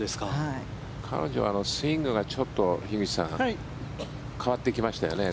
彼女はスイングが樋口さんちょっと変わってきましたよね。